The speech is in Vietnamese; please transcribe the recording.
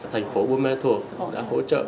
thành phố bùa me thuột đã hỗ trợ